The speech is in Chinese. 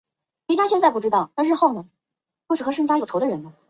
王桥路车站列车服务。